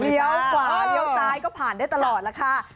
ขวาเลี้ยวซ้ายก็ผ่านได้ตลอดล่ะค่ะ